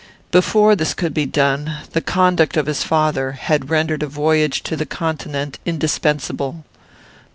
Before this could be done, the conduct of his father had rendered a voyage to the Continent indispensable.